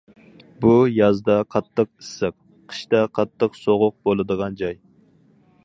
بۇ يازدا قاتتىق ئىسسىق، قىشتا قاتتىق سوغۇق بولىدىغان جاي.